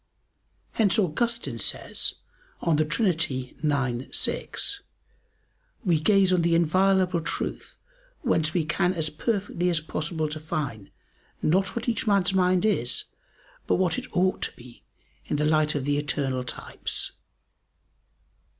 Hence Augustine says (De Trin. ix, 6): "We gaze on the inviolable truth whence we can as perfectly as possible define, not what each man's mind is, but what it ought to be in the light of the eternal types."